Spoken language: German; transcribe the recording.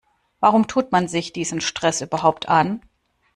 Warum tut man sich diesen Stress überhaupt an?